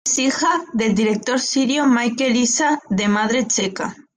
Es hija del director sirio Michel Issa y de madre checa.